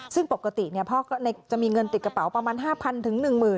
ซึ่งปกติพ่อก็จะมีเงินติดกระเป๋าประมาณ๕๐๐๑๐๐